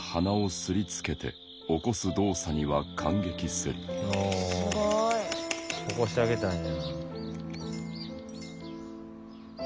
すごい。起こしてあげたんや。